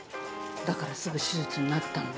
だからすぐ手術になったのよ。